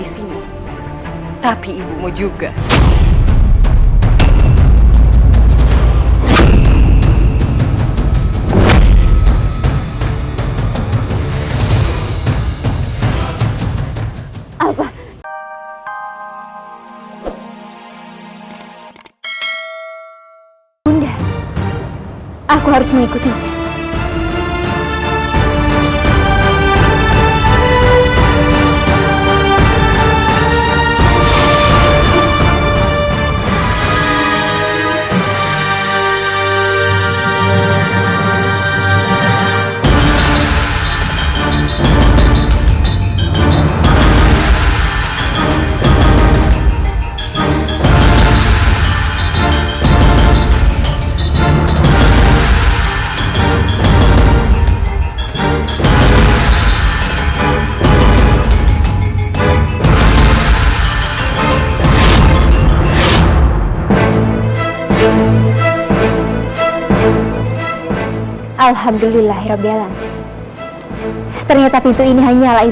sampai jumpa di video selanjutnya